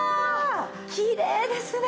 きれいですね！